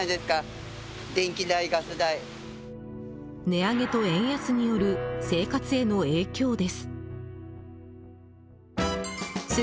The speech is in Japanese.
値上げと円安による生活への影響です。